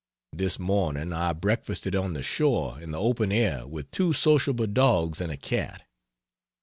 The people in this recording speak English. This morning I breakfasted on the shore in the open air with two sociable dogs and a cat.